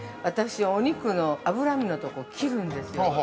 私、お肉の脂身のところ、切るんですよ。